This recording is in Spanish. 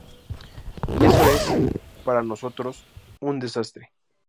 Y eso es, para nosotros, un desastre.